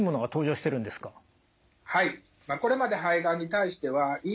はいこれまで肺がんに対してはＥＧＦＲ